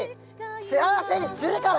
幸せにするから！